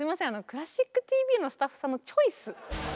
「クラシックＴＶ」のスタッフさんのチョイス。